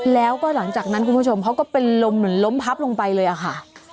แล้วก็หลังจากนั้นคุณผู้ชมเขาก็เป็นลมเหมือนล้มพับลงไปเลยอะค่ะ